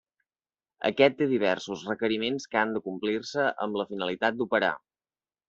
Aquest té diversos requeriments que han de complir-se amb la finalitat d'operar.